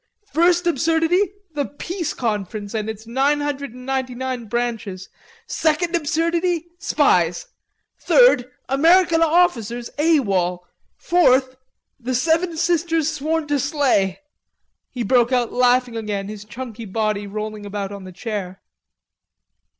First absurdity: the Peace Conference and its nine hundred and ninety nine branches. Second absurdity: spies. Third: American officers A.W.O.L. Fourth: The seven sisters sworn to slay." He broke out laughing again, his chunky body rolling about on the chair.